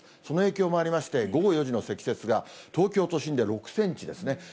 その影響もありまして、午後４時の積雪が東京都心で６センチですね。